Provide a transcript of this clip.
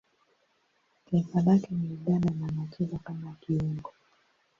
Taifa lake ni Uganda na anacheza kama kiungo.